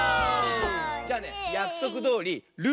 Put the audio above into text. じゃあねやくそくどおり「る」